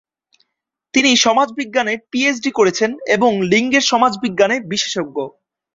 তিনি সমাজবিজ্ঞানে পিএইচডি করেছেন এবং লিঙ্গের সমাজবিজ্ঞানে বিশেষজ্ঞ।